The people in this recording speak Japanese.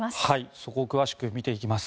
そこを詳しく見ていきます。